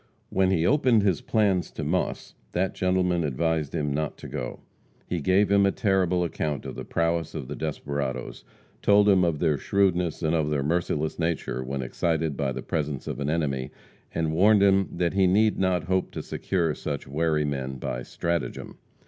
When he opened his plans to Moss, that gentleman advised him not to go. He gave him a terrible account of the prowess of the desperadoes; told him of their shrewdness and of their merciless nature when excited by the presence of an enemy, and warned him that he need not hope to secure such wary men by stratagem.